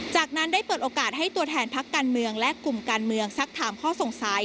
จากนั้นได้เปิดโอกาสให้ตัวแทนพักการเมืองและกลุ่มการเมืองสักถามข้อสงสัย